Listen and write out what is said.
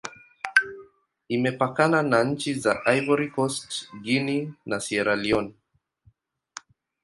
Imepakana na nchi za Ivory Coast, Guinea, na Sierra Leone.